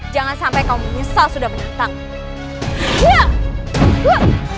jangan sampai kau menyesal sudah menentangku